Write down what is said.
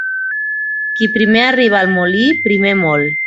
Qui primer arriba al molí, primer mol.